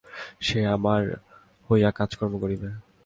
সে আমার হইয়া কাজকর্ম করিবে।